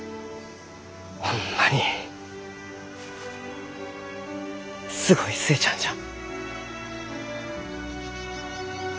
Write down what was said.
ホンマにすごい寿恵ちゃんじゃ。